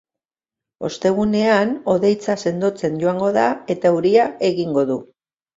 Ostegunean, hodeitza sendotzen joango da, eta euria egingo du.